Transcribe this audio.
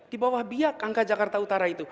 di bawah biak angka jakarta utara itu